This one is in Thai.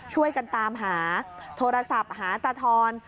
ช่วยกันตามหาโทรศัพท์หาตาทอน